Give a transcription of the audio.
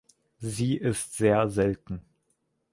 Sie ist sehr selten.